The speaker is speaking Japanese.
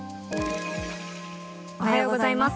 おはようございます。